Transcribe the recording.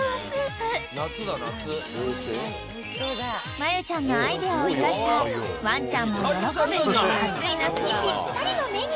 ［真由ちゃんのアイデアを生かしたワンちゃんも喜ぶ暑い夏にぴったりのメニュー］